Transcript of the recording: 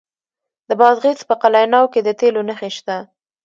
د بادغیس په قلعه نو کې د تیلو نښې شته.